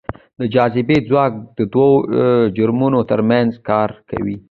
د جاذبې ځواک دوو جرمونو ترمنځ کار کوي.